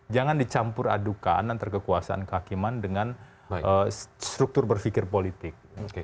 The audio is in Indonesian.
jangan dicampur adukan antara kekuasaan kehakiman dengan struktur berpikir politik